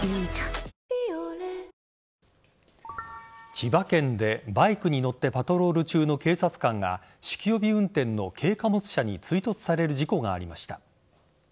千葉県でバイクに乗ってパトロール中の警察官が酒気帯び運転の軽貨物車に追突される事故がありました。